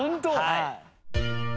はい。